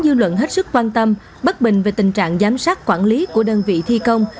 dư luận hết sức quan tâm bất bình về tình trạng giám sát quản lý của đơn vị thi công